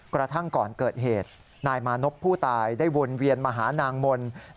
กระทั่งก่อนเกิดเหตุนายมานพผู้ตายได้วนเวียนมาหานางมนต์